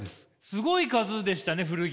すごい数でしたね古着。